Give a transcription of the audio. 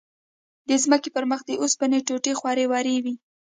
د ځمکې پر مخ د اوسپنو ټوټې خورې ورې وې.